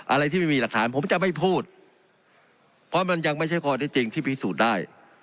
อะไรที่ไม่มีหลักฐานผมจะไม่พูดเพราะมันยังไม่ใช่ข้อที่จริงที่พิสูจน์ได้